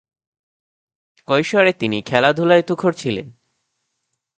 কৈশোরে তিনি খেলাধুলায় তুখোড় ছিলেন।